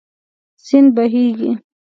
سیند بهېږي.